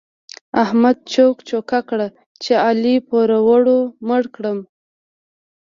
احمد چوک چوکه کړه چې علي پوروړو مړ کړ.